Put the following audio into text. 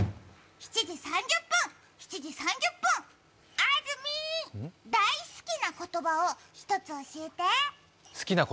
７時３０分、７時３０分、あずみ、大好きな言葉を一つ教えて。